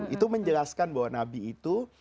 itu menjelaskan bahwa nabi itu